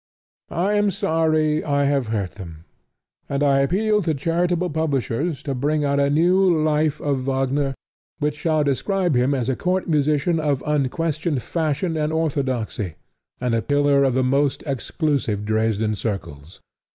I am sorry I have hurt them; and I appeal to charitable publishers to bring out a new life of Wagner, which shall describe him as a court musician of unquestioned fashion and orthodoxy, and a pillar of the most exclusive Dresden circles.